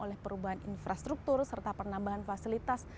oleh perubahan infrastruktur dan nambahan fasilitas